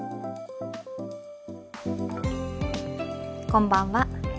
こんばんは。